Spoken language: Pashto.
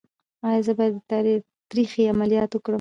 ایا زه باید د تریخي عملیات وکړم؟